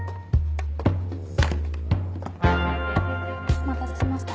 お待たせしました。